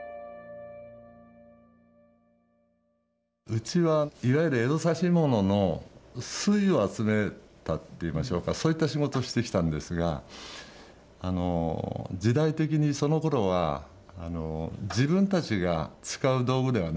うちはいわゆる江戸指物の粋を集めたっていいましょうかそういった仕事をしてきたんですが時代的にそのころは自分たちが使う道具ではなかった。